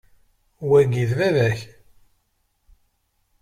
Wagi, d baba-k?